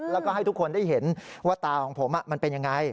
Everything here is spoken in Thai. แล้วก็ให้ทุกคนได้เห็นว่าตาของผมมันเป็นยังไง